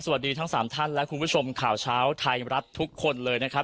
สวัสดีทั้ง๓ท่านและคุณผู้ชมข่าวเช้าไทยรัฐทุกคนเลยนะครับ